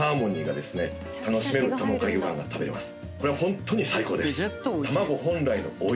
これはホントに最高です。